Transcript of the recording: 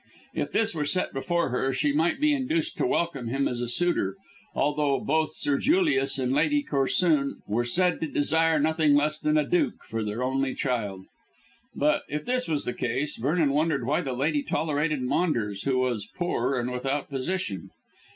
If this were set before her she might be induced to welcome him as a suitor, although both Sir Julius and Lady Corsoon were said to desire nothing less than a duke for their only child. But if this was the case, Vernon wondered why the lady tolerated Maunders, who was poor and without position.